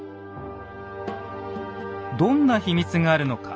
どんな秘密があるのか。